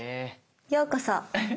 ようこそ。